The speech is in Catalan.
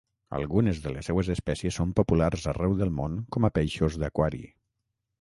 Algunes de les seues espècies són populars arreu del món com a peixos d'aquari.